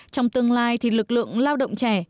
trong tương lai thì lực lượng lao động trẻ